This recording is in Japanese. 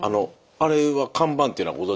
あれは看板というのはご存じでした？